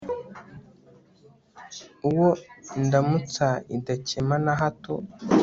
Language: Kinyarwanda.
Uwo indamutsa idakema na hato